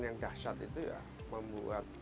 yang dahsyat itu ya membuat